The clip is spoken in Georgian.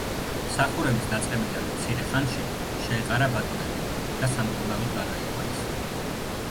მსახურების დაწყებიდან მცირე ხანში, შეეყარა ბატონები და სამკურნალოდ გადაიყვანეს.